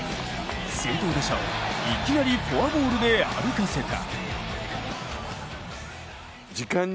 先頭打者をいきなりフォアボールで歩かせた。